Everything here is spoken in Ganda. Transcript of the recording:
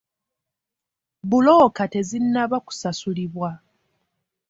Bbulooka tezinnaba kusasulibwa.